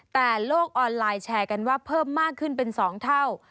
แต่โลกออนไลน์แชร์กันว่าเพิ่มมากขึ้นเป็น๒เท่า